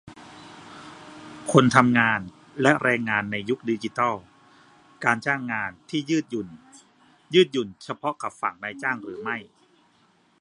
คนทำงานและแรงงานในยุคดิจิทัล - การจ้างงานที่ยืดหยุ่น ยืดหยุ่นเฉพาะกับฝั่งนายจ้างหรือไม่ ?